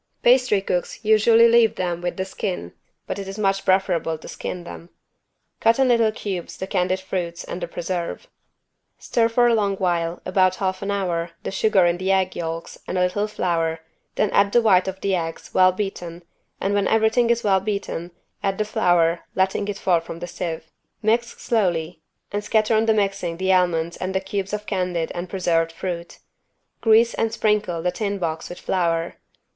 Pastry cooks usually leave them with the skin but it is much preferable to skin them. Cut in little cubes the candied fruits and the preserve. Stir for a long while, about half an hour the sugar in the egg yolks and a little flour then add the white of the eggs well beaten and when every thing is well beaten add the flour, letting it fall from a sieve. Mix slowly and scatter on the mixing the almonds and the cubes of candied and preserved fruit. Grease and sprinkle the tin box with flour.